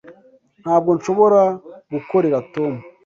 Ntabwo nshobora gukorera Tom.